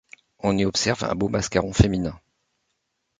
On y observe un beau mascaron féminin.